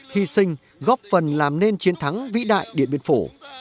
hy sinh góp phần làm nên chiến thắng vĩ đại điện biên phủ